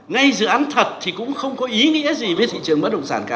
ngay dự án thật thì cũng không có ý nghĩa gì với thị trường bất động sản cả